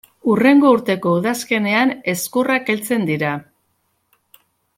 Hurrengo urteko udazkenean, ezkurrak heltzen dira.